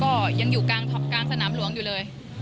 ก็ยังอยู่กลางท็อปกลางสนามหลวงอยู่เลย